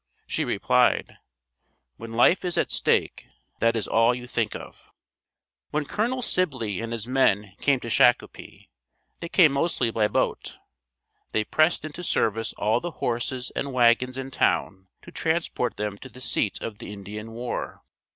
She replied; "When life is at stake, that is all you think of." When Col. Sibley and his men came to Shakopee, they came mostly by boat. They pressed into service all the horses and wagons in town to transport them to the seat of the Indian war.